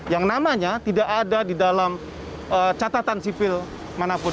yang namanya tidak ada di dalam catatan sipil manapun